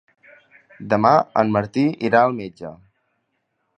Demà en Martí irà al metge.